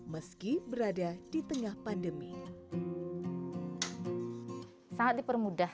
meski berada di rumah